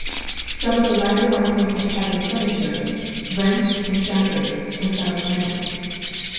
Some of the lighter articles of cabin furniture, wrenched and shattered, were found next.